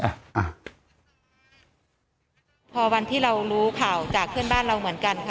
พอวันที่เรารู้ข่าวจากเพื่อนบ้านเราเหมือนกันค่ะ